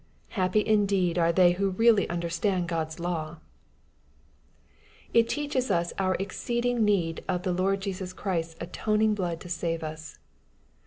Happy indeed are they who really understand God's law ! It teaches us owr exceeding need of the Lord Jesus Christ's atonifig blood to save us.